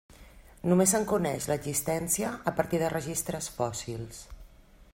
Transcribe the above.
Només se'n coneix l'existència a partir de registres fòssils.